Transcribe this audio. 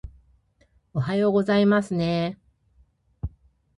おはようございますねー